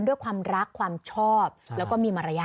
ด้วยความรักความชอบแล้วก็มีมารยาท